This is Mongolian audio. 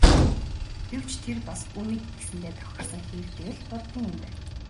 Гэвч тэр бас Үнэг гэсэндээ тохирсон хэрдээ л хурдан юм байна.